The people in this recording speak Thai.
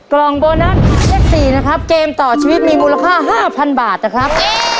กล่องโบนัสเลข๔นะครับเกมต่อชีวิตมีมูลค่า๕๐๐บาทนะครับ